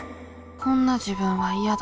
「こんな自分は嫌だ」。